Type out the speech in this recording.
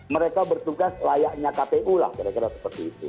mereka bertugas layaknya kpu lah kira kira seperti itu